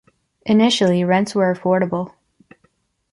Initially, rents were affordable.